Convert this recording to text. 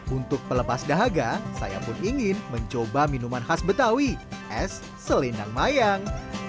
untuk pelepas dahaga saya pun ingin mencoba minuman khas betawi es selendang mayang